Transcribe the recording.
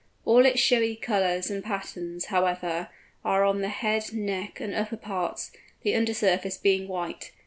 All its showy colours and patterns, however, are on the head, neck, and upper parts, the under surface being white.